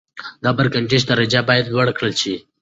د اېرکنډیشن درجه باید لوړه کړل شي.